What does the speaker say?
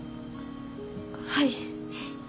はい。